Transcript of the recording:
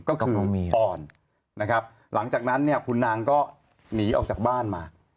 ก็คือออนหลังจากนั้นคุณนางก็หนีออกจากบ้านมา